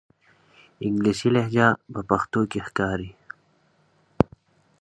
انګلیسي لهجه په پښتو کې ښکاري.